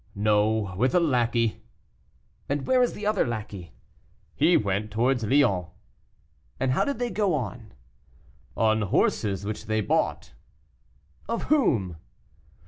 "No, with a lackey." "And where is the other lackey?" "He went towards Lyons." "And how did they go on?" "On horses which they bought." "Of whom?"